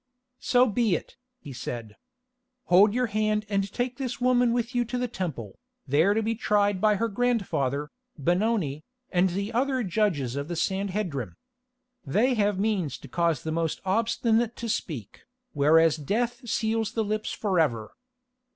"So be it," he said. "Hold your hand and take this woman with you to the Temple, there to be tried by her grandfather, Benoni, and the other judges of the Sanhedrim. They have means to cause the most obstinate to speak, whereas death seals the lips forever.